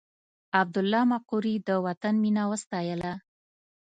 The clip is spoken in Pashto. عبدالله مقري د وطن مینه وستایله.